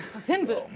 全部。